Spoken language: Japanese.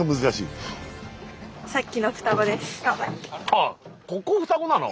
あっここ双子なの？